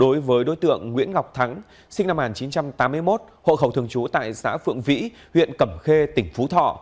đối với đối tượng nguyễn ngọc thắng sinh năm một nghìn chín trăm tám mươi một hộ khẩu thường trú tại xã phượng vĩ huyện cẩm khê tỉnh phú thọ